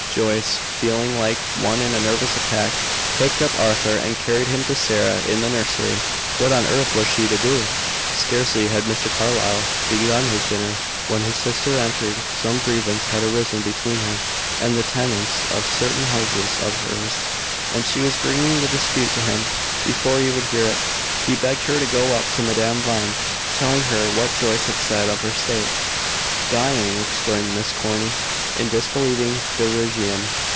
Joyce, feeling like one in a nervous attack, picked up Arthur and carried him to Sarah in the nursery. What on earth was she to do? Scarcely had Mr. Carlyle begun his dinner, when his sister entered. Some grievance had arisen between her and the tenants of certain houses of hers, and she was bringing the dispute to him. Before he would hear it, he begged her to go up to Madame Vine, telling her what Joyce had said of her state. "Dying!" exclaimed Miss Corny, in disbelieving derision.